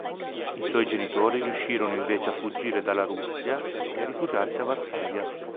I suoi genitori riuscirono invece a fuggire dalla Russia e a rifugiarsi a Varsavia.